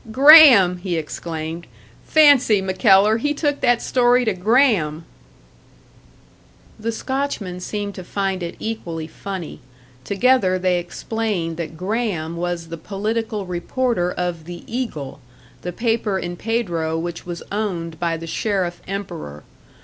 "Graham!" he exclaimed. "Fancy, MacKellar, he took that story to Graham!" The Scotchman seemed to find it equally funny; together they explained that Graham was the political reporter of the Eagle, the paper in Pedro which was owned by the Sheriff emperor.